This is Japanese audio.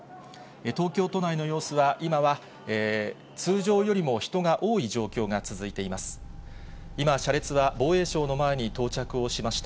東京都内の様子は、今は、通常よりも人が多い状況が続いています。